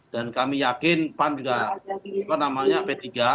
dan kami yakin pan juga apa namanya p tiga